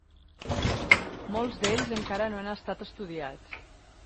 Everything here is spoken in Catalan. Molts d'ells encara no han estat estudiats.